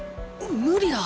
無理だ！